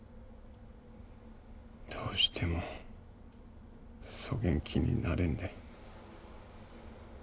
どうしてもそげん気になれんで。